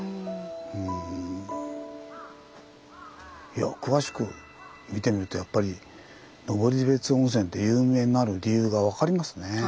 うん。いや詳しく見てみるとやっぱり登別温泉って有名になる理由が分かりますね。